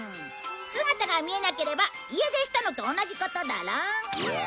姿が見えなければ家出したのと同じことだろ？